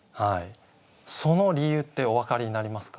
その理由ってお分かりになりますか？